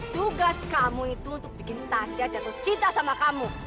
tugas kamu itu untuk bikin tasya jatuh cinta sama kamu